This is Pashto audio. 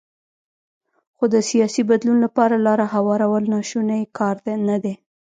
خو د سیاسي بدلون لپاره لاره هوارول ناشونی کار نه دی.